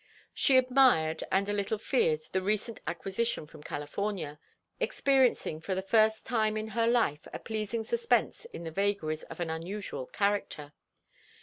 She admired and a little feared the recent acquisition from California, experiencing for the first time in her life a pleasing suspense in the vagaries of an unusual character.